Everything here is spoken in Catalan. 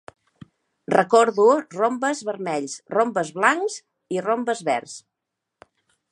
Recordo rombes vermells, rombes blancs i rombes verds.